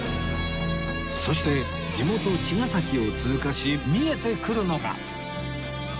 そして地元茅ヶ崎を通過し見えてくるのが